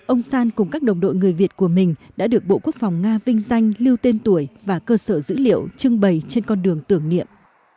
ông san cùng các đồng đội người việt của mình đã được bộ quốc phòng nga vinh danh lưu tên tuổi và cơ sở dữ liệu trưng bày trên con đường tưởng niệm